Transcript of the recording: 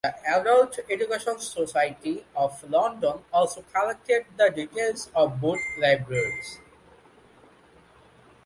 The Adult Education Society of London also collected the details of boat libraries.